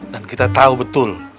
dan kita tahu betul